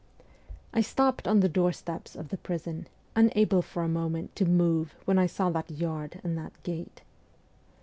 I stopped on the doorsteps of the prison, unable for a moment to move when I saw that yard and that gate.